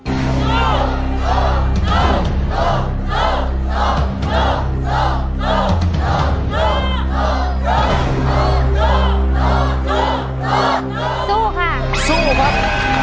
สู้ค่ะสู้ครับ